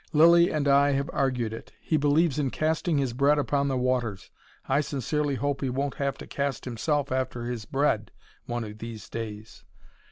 Lilly and I have argued it. He believes in casting his bread upon the waters. I sincerely hope he won't have to cast himself after his bread, one of these days.